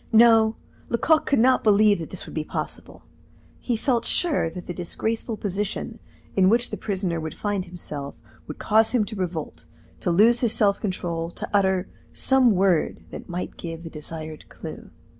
No; Lecoq could not believe that this would be possible. He felt sure that the disgraceful position in which the prisoner would find himself would cause him to revolt, to lose his self control, to utter some word that might give the desired clue.